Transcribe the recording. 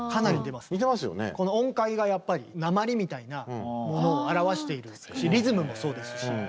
この音階がやっぱり「なまり」みたいなものを表しているしリズムもそうですし。